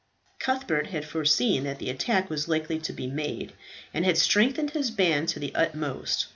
Cuthbert had foreseen that the attack was likely to be made and had strengthened his band to the utmost.